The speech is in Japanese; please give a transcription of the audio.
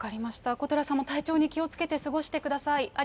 小寺さんも体調に気をつけて過ごしてください。